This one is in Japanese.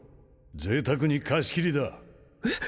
贅沢に貸し切りだえっ？